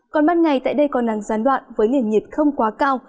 còn mặt ngày tại đây còn nắng gián đoạn với nền nhiệt không quá cao